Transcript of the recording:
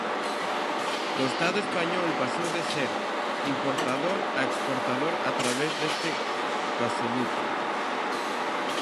O Estado español pasou de ser importador a exportador a través deste gasoduto.